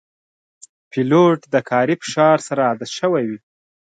پیلوټ د کاري فشار سره عادت شوی وي.